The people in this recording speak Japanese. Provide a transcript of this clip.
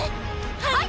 はい！